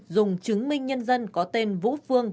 dùng chứng minh nhân dân có tên vũ phương